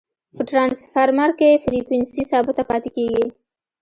په ټرانسفرمر کی فریکوینسي ثابته پاتي کیږي.